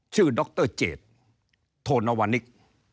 ชื่อดรเจดโทนวนิก